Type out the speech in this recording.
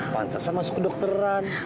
pancasila masuk ke dokteran